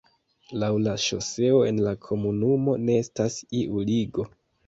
Laŭ la ŝoseo en la komunumo ne estas iu ligo.